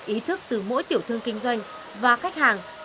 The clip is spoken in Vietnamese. ý thức từ mỗi tiểu thương kinh doanh và khách hàng